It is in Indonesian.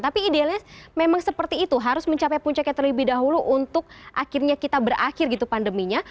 tapi idealnya memang seperti itu harus mencapai puncaknya terlebih dahulu untuk akhirnya kita berakhir gitu pandeminya